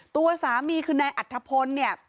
ตัวสามีคือในอัตภพลเนี่ย